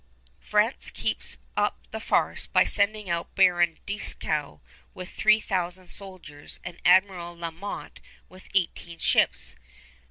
France keeps up the farce by sending out Baron Dieskau with three thousand soldiers and Admiral La Motte with eighteen ships.